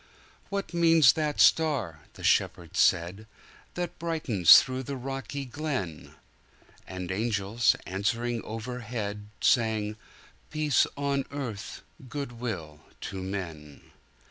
""What means that star," the Shepherds said,"That brightens through the rocky glen?"And angels, answering overhead, Sang, "Peace on earth, good will to men!"'